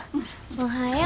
おはよう。